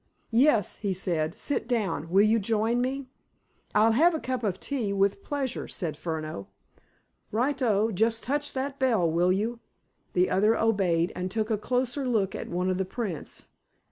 "Yes," he said. "Sit down. Will you join me?" "I'll have a cup of tea, with pleasure," said Furneaux. "Right o! Just touch that bell, will you?" The other obeyed, and took a closer look at one of the prints.